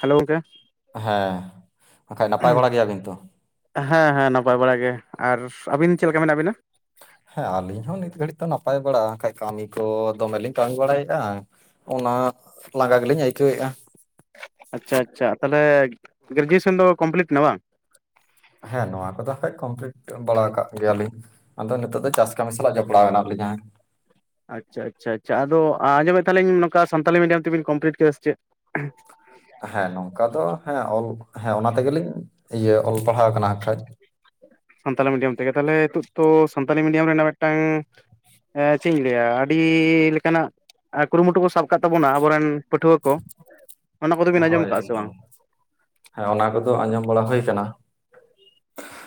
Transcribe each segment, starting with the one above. Hello ᱜᱚᱝᱠᱮ ᱦᱮᱸ ᱚᱱᱠᱟ ᱱᱟᱯᱟᱭ ᱵᱟᱲᱟ ᱜᱮᱭᱟᱵᱤᱱ ᱛᱚ ᱦᱮᱸ ᱦᱮᱸ ᱱᱟᱯᱟᱭ ᱵᱟᱲᱟ ᱜᱮ ᱟᱨ ᱟᱹᱵᱤᱱ ᱪᱮᱫ ᱞᱮᱠᱟ ᱢᱮᱱᱟᱜ ᱵᱤᱱᱟ ᱦᱮᱸ ᱟᱹᱞᱤᱧ ᱦᱚᱸ ᱱᱤᱛ ᱜᱷᱟᱹᱲᱤᱡ ᱫᱚ ᱱᱟᱯᱟᱭ ᱵᱟᱲᱟ ᱠᱷᱟᱡ ᱠᱟᱹᱢᱤ ᱠᱚ ᱫᱚᱢᱮᱞᱤᱧ ᱛᱟᱸᱜᱤ ᱵᱟᱲᱟᱭᱮᱫᱟ ᱚᱱᱟ ᱞᱟᱸᱜᱟ ᱜᱮᱞᱤᱧ ᱟᱹᱭᱠᱟᱹᱣᱮᱫ-ᱟ ᱟᱪᱪᱷᱟ ᱟᱪᱪᱷᱟ ᱛᱟᱦᱞᱮ ᱜᱨᱮᱡᱩᱭᱮᱥᱚᱱ ᱫᱚ ᱠᱚᱢᱯᱞᱤᱴ ᱮᱱᱟ ᱵᱟᱝ ᱦᱮᱸ ᱱᱚᱣᱟ ᱠᱚᱫᱚ ᱠᱷᱟᱡ ᱠᱚᱢᱯᱞᱤᱴ ᱵᱟᱲᱟ ᱟᱠᱟᱜ ᱜᱮᱭᱟᱞᱤᱧ ᱟᱫᱚ ᱱᱤᱛᱚᱜ ᱫᱚ ᱪᱟᱥ ᱠᱟᱹᱢᱤ ᱥᱟᱞᱟᱜ ᱡᱚᱯᱲᱟᱣ ᱦᱮᱱᱟᱜ ᱞᱤᱧᱟᱹ ᱟᱪᱪᱷᱟ ᱟᱪᱪᱷᱟ ᱟᱪᱪᱷᱟ ᱟᱫᱚ ᱟᱸᱡᱚᱢᱮᱫ ᱛᱟᱸᱦᱮᱞᱤᱧ ᱱᱚᱝᱠᱟ ᱥᱟᱱᱛᱟᱞᱤ ᱢᱤᱰᱤᱭᱟᱢ ᱛᱮᱵᱤᱱ ᱠᱚᱢᱯᱞᱤᱴ ᱠᱮᱫᱟ ᱥᱮ ᱪᱮᱫ ᱦᱮᱸ ᱱᱚᱝᱠᱟ ᱫᱚ ᱦᱮᱸ ᱚᱞ ᱦᱮᱸ ᱚᱱᱟ ᱛᱮᱜᱮᱞᱤᱧ ᱤᱭᱟᱹ ᱚᱞ ᱯᱟᱲᱦᱟᱣ ᱟᱠᱟᱱᱟ ᱠᱷᱟᱱᱡ ᱥᱟᱱᱛᱟᱞᱤ ᱢᱤᱰᱤᱭᱟᱢ ᱛᱮᱜᱮ ᱛᱟᱦᱞᱮ ᱱᱤᱛᱚᱜ ᱛᱚ ᱥᱟᱱᱛᱟᱞᱤ ᱢᱤᱰᱤᱭᱟᱢ ᱨᱮᱱᱟᱜ ᱢᱤᱫᱴᱟᱝ ᱮ ᱪᱮᱫ ᱤᱧ ᱞᱟᱹᱭᱟ ᱟᱹᱰᱤ ᱞᱮᱠᱟᱱᱟᱜ ᱟᱨ ᱠᱩᱨᱩᱢᱩᱴᱩ ᱠᱚ ᱥᱟᱵ ᱠᱟᱜ ᱛᱟᱵᱚᱱᱟ ᱟᱵᱚᱨᱮᱱ ᱯᱟᱹᱴᱷᱩᱣᱟᱹ ᱠᱚ ᱚᱱᱟ ᱠᱚᱫᱚᱵᱤᱱ ᱟᱸᱡᱚᱢ ᱦᱳᱭ ᱠᱟᱜᱼᱟ ᱥᱮ ᱮᱠᱫᱚᱢ ᱵᱟᱝ ᱦᱮᱸ ᱚᱱᱟ ᱠᱚᱫᱚ ᱟᱸᱡᱚᱢ ᱵᱟᱲᱟ ᱦᱩᱭ ᱠᱟᱱᱟ